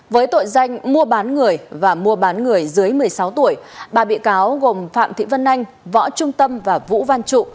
với tội danh mua bán người và mua bán người dưới một mươi sáu tuổi ba bị cáo gồm phạm thị vân anh võ trung tâm và vũ văn trụ